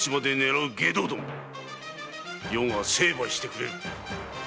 余が成敗してくれる。